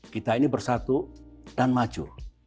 kita ini bersatu dan maju